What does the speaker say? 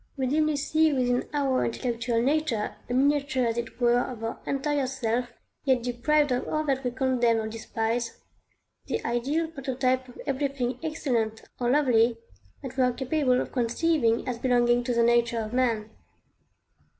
We dimly see within our intellectual nature a miniature as it were of our entire self, yet deprived of all that we condemn or despise, the ideal prototype of everything excellent or lovely that we are capable of conceiving as belonging to the nature of man.